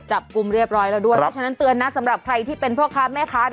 จับกลุ่มเรียบร้อยแล้วด้วยเพราะฉะนั้นเตือนนะสำหรับใครที่เป็นพ่อค้าแม่ค้า